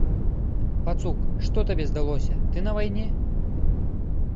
Пацук, што табе здалося, ты на вайне?